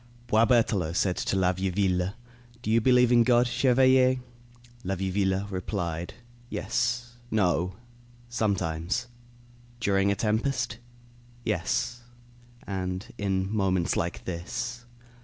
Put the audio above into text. Boisberthelot said to La Vieuville: "Do you believe in God, chevalier?" La Vieuville replied: "Yes no. Sometimes." "During a tempest?" "Yes, and in moments like this."